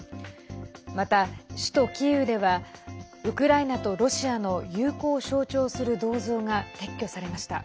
また、首都キーウではウクライナとロシアの友好を象徴する銅像が撤去されました。